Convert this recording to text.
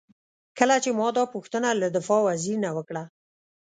کله چې ما دا پوښتنه له دفاع وزیر نه وکړه.